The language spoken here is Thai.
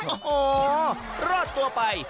โอ้โหรอดตัวไป